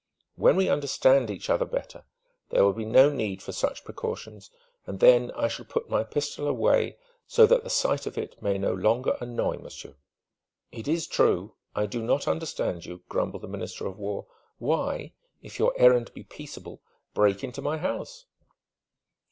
When we understand each other better there will be no need for such precautions, and then I shall put my pistol away, so that the sight of it may no longer annoy monsieur." "It is true, I do not understand you," grumbled the Minister of War. "Why if your errand be peaceable break into my house?"